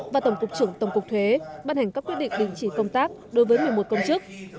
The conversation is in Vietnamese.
và tổng cục trưởng tổng cục thuế ban hành các quyết định đình chỉ công tác đối với một mươi một công chức